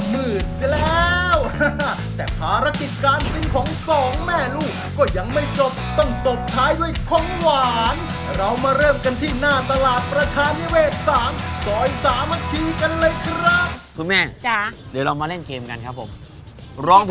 เมนูสุดท้ายก๋วยเตี๋ยวหม้อไฟบรรไลกัน